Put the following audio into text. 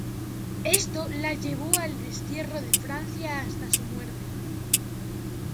Esto la llevó al destierro de Francia hasta su muerte.